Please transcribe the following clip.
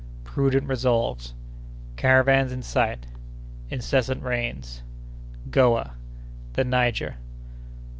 —Prudent Resolves.—Caravans in Sight.—Incessant Rains.—Goa.—The Niger.